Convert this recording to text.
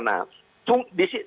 nah mengapa perempuan bisa terlibat